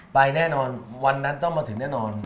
แน่นอนวันนั้นต้องมาถึงแน่นอน